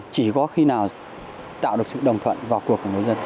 chỉ có khi nào tạo được sự đồng thuận vào cuộc của người dân